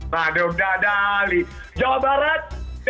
manug dadali jawa barat